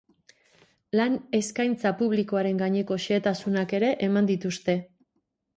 Lan eskaintza publikoaren gaineko xehetasunak ere eman dituzte.